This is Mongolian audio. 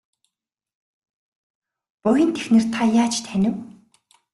Буянт эхнэр та яаж танив?